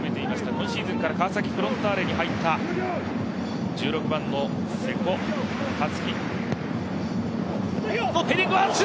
今シーズンから川崎フロンターレに入った１６番の瀬古樹。